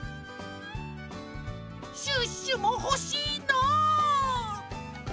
シュッシュもほしいな！